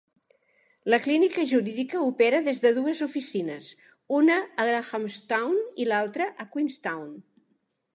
La clínica jurídica opera des de dues oficines, una a Grahamstown i l'altra a Queenstown.